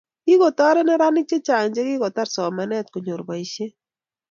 Kikotorit neranik che chang che kikotar somanet konyor boishet